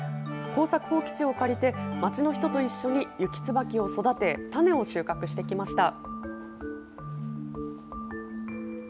耕作放棄地を借りて、町の人と一緒にユキツバキを育て、種を収穫してきました。